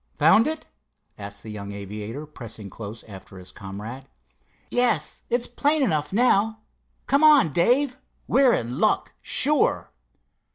"Found it?" asked the young aviator, pressing close after his comrade. "Yes. It's plain enough, now. Come on, Dave; we're in luck, sure."